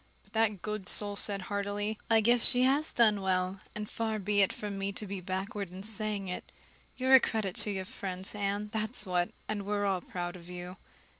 But that good soul said heartily: "I just guess she has done well, and far be it from me to be backward in saying it. You're a credit to your friends, Anne, that's what, and we're all proud of you."